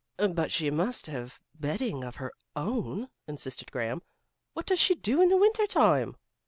"But she must have bedding of her own," insisted Graham. "What does she do in the winter time?"